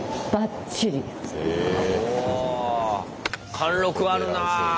貫禄あるなあ。